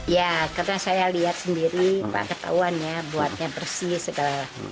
ya karena saya lihat sendiri pak ketahuannya buatnya bersih segala galanya